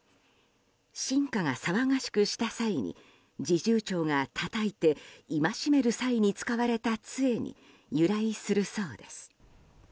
臣下が騒がしくした際に侍従長がたたいて戒める際に使われた杖に由来するそうです。